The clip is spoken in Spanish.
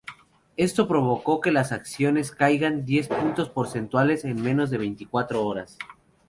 Esto provocó que las acciones caigan diez puntos porcentuales en menos de veinticuatro horas.